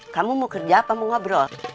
kamu mau kerja apa mau ngobrol